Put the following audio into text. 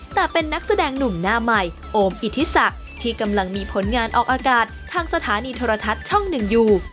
แต่เป็นนักแสดงหนุ่มหน้าใหม่โอมอิทธิศักดิ์ที่กำลังมีผลงานออกอากาศทางสถานีโทรทัศน์ช่องหนึ่งอยู่